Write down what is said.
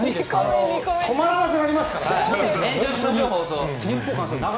止まらなくなりますから。